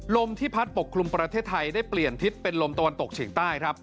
ลมที่พัดปกคลุมประเทศไทยได้เปลี่ยนทิศเป็นลมตะวันตกเฉียงใต้ครับ